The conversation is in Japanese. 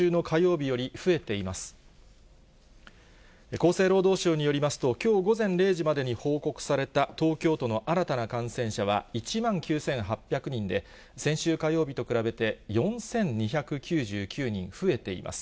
厚生労働省によりますと、きょう午前０時までに報告された東京都の新たな感染者は、１万９８００人で、先週火曜日と比べて、４２９９人増えています。